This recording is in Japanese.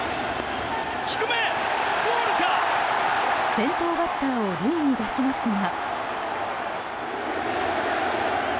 先頭バッターを塁に出しますが。